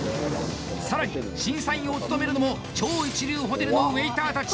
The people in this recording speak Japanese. さらに審査員を務めるのも超一流ホテルのウェイターたち。